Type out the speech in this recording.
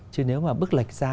chứ nếu mà bước lệch ra